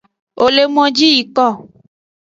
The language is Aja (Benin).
Wo le moji yiko.